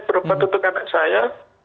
perompak untuk anak saya